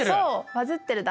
「バズってる」だ。